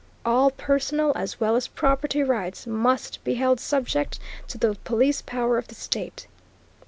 All personal, as well as property rights must be held subject to the Police Power of the state."